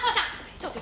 ちょっと。